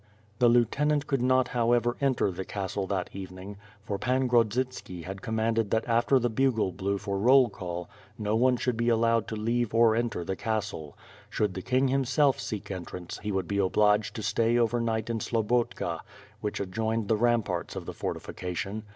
The lieutenant could not however enter the castle that evening, for Pan Grodzitski had commanded that after the bugle blew for roll call no one should be allowed to leave or enter the castle; should the king himself seek entrance he would be obliged to stay over night in Slobotka which ad joined the ramparts of the fortification.